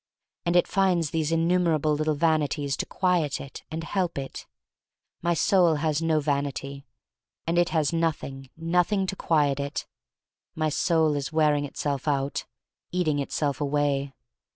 And it finds these innumerable little vanities to quiet it and help it. My soul has no vanity, and it has nothing, nothing to quiet it. My soul is wearing itself out, 189 IQO THE STORY OF MARY MAC LANE eating itself away.